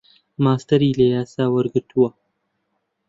ماستەری لە یاسا وەرگرتووە.